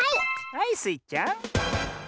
はいスイちゃん。